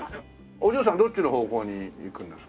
お嬢さんどっちの方向に行くんですか？